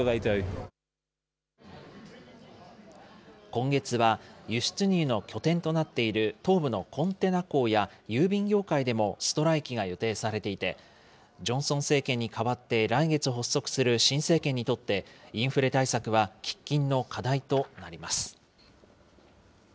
今月は、輸出入の拠点となっている東部のコンテナ港や郵便業界でもストライキが予定されていて、ジョンソン政権に代わって来月発足する新政権にとって、インフレ対策は喫緊の課題となります。